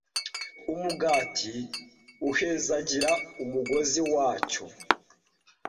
umugati uhezagira umugozi wacyo